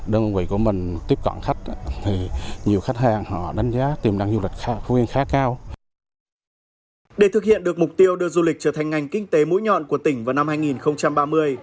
để thực hiện được mục tiêu đưa du lịch trở thành ngành kinh tế mũi nhọn của tỉnh vào năm hai nghìn ba mươi